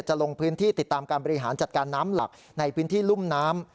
ลงพื้นที่ติดตามการบริหารจัดการน้ำหลักในพื้นที่รุ่มน้ำ